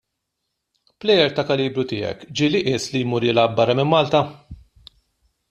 Plejer tal-kalibru tiegħek ġieli qies li jmur jilgħab barra minn Malta?